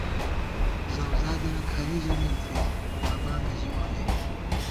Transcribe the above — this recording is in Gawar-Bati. زؤزادېنہ کھائی ژَمېت زی مُلابانگہ ژِوَہ مے